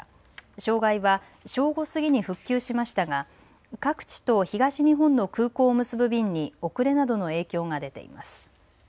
障害は正午過ぎに復旧しましたが各地と東日本の空港を結ぶ便に遅れなどの影響が出ています。